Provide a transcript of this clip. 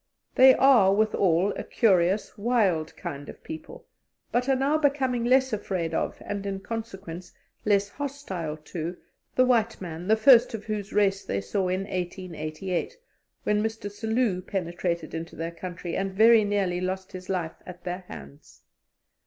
They are withal a curious, wild kind of people, but are now becoming less afraid of, and in consequence less hostile to, the white man, the first of whose race they saw in 1888, when Mr. Selous penetrated into their country, and very nearly lost his life at their hands.